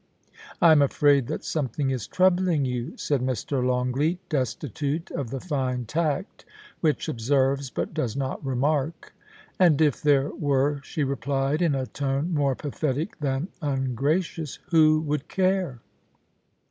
I am afraid that something is troubling you,' said Mr. Longleat, destitute of the fine tact which observes but does not remark. * And if there were,' she replied, in a tone more pathetic than ungracious, * who would care